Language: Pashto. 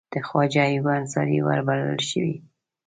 د خواجه ایوب انصاري ورور بلل شوی.